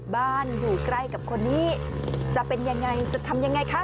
บ้านอยู่ใกล้กับคนนี้จะเป็นอย่างไรจะทำอย่างไรคะ